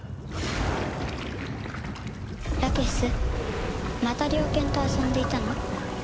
ラケシスまた猟犬と遊んでいたの？